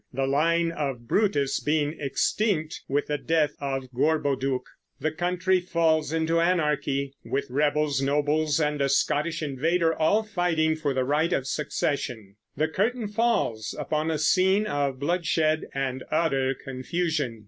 The line of Brutus being extinct with the death of Gorboduc, the country falls into anarchy, with rebels, nobles, and a Scottish invader all fighting for the right of succession. The curtain falls upon a scene of bloodshed and utter confusion.